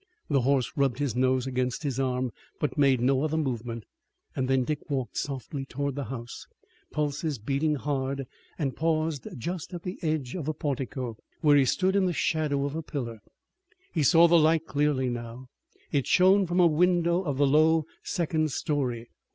The horse rubbed his nose against his arm but made no other movement. Then Dick walked softly toward the house, pulses beating hard and paused just at the edge of a portico, where he stood in the shadow of a pillar. He saw the light clearly now. It shone from a window of the low second story.